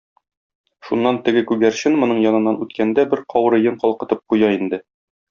Шуннан теге күгәрчен, моның яныннан үткәндә, бер каурыен калкытып куя инде.